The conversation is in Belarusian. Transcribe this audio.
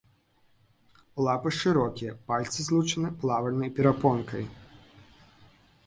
Лапы шырокія, пальцы злучаны плавальнай перапонкай.